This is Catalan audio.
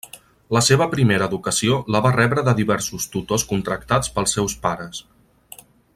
La seva primera educació la va rebre de diversos tutors contractats pels seus pares.